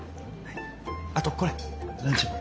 あとこれランチも。